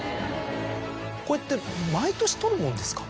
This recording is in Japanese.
これって毎年取るもんですか？